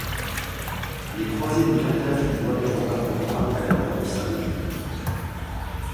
Les Croisés de Carthage lui doivent leur rembarquement après la mort de saint Louis.